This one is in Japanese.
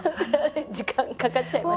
時間かかっちゃいましたけど。